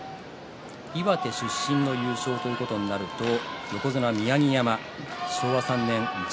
岩手出身の優勝ということになると横綱宮城山